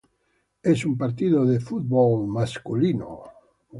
Es un partido de fútbol masculino.